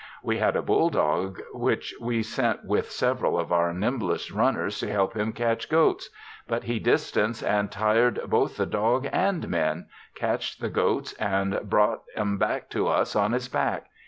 We had a bull dog which we sent with several of our nimblest runners to help him catch goats ; but he distanc'd and tir'd both the dog and men, catch'd the goats and brought *em to us on his back.